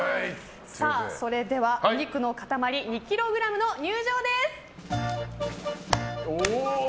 それではお肉の塊２ｋｇの入場です！